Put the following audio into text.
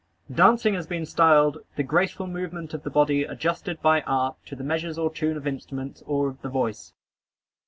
Dancing has been styled "the graceful movement of the body adjusted by art, to the measures or tune of instruments, or of the voice."